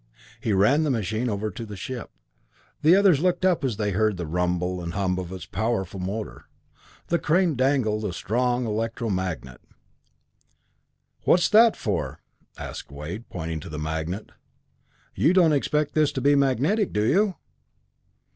He ran the machine over to the ship. The others looked up as they heard the rumble and hum of its powerful motor. From the crane dangled a strong electro magnet. "What's that for?" asked Wade, pointing to the magnet. "You don't expect this to be magnetic, do you?"